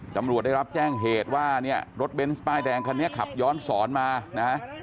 ตำรวจได้รับแจ้งเหตุว่าเนี่ยรถเบนส์ป้ายแดงคันนี้ขับย้อนสอนมานะ